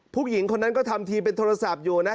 ผู้หญิงคนนั้นก็ทำทีเป็นโทรศัพท์อยู่นะ